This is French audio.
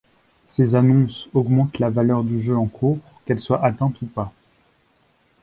Ces annonces augmentent la valeur du jeu en cours qu'elles soient atteintes ou pas.